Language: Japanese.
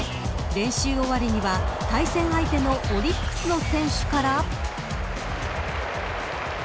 練習終わりには、対戦相手のオリックスの選手から。